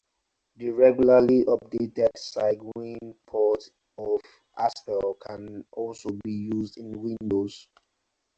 The regularly updated Cygwin port of aspell can also be used in Windows.